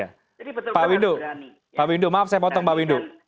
ya pak windu pak windu maaf saya potong pak windu